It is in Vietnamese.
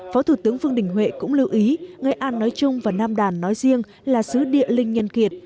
phó thủ tướng vương đình huệ cũng lưu ý nghệ an nói chung và nam đàn nói riêng là sứ địa linh nhân kiệt